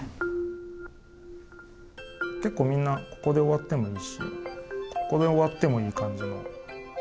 結構みんなここで終わってもいいしここで終わってもいい感じの。